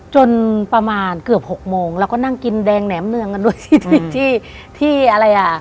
จนประมาณเกือบหกโมงแล้วก็นั่งกินแดงแหนมเนืองกันด้วยที่ที่อะไรอ่ะ